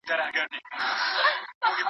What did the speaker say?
اقتصادي نظام رامنځته شوی دی.